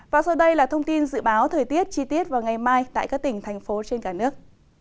và sau đây là thông tin dự báo thời tiết chi tiết vào ngày mai tại các tỉnh thành phố trên cả nước